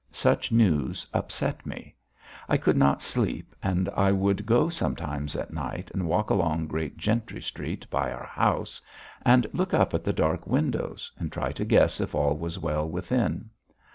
Such news upset me. I could not sleep, and I would go sometimes at night and walk along Great Gentry Street by our house, and look up at the dark windows, and try to guess if all was well within.